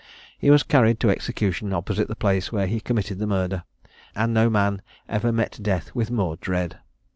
He was carried to execution opposite the place where he committed the murder; and no man ever met death with more dread.